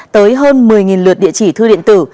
tới hơn một mươi lượt địa chỉ thư điện tử